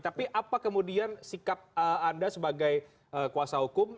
tapi apa kemudian sikap anda sebagai kuasa hukum